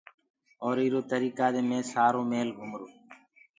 اور اِرو تريڪآ دي مي سآري ميٚل گُمرو۔